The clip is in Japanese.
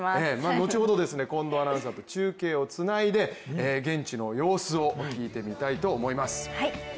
後ほど近藤アナウンサーと中継をつないで現地の様子を聞いてみたいと思います。